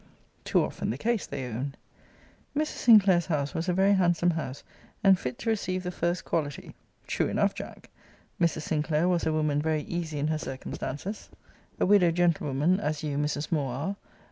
Too often the case, they owned. 'Mrs. Sinclair's house was a very handsome house, and fit to receive the first quality, [true enough, Jack!] Mrs. Sinclair was a woman very easy in her circumstances: A widow gentlewoman, as you, Mrs. Moore, are.